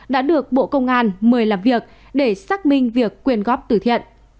đã được bộ công an mời làm việc để xác minh việc quyền góp tử thiện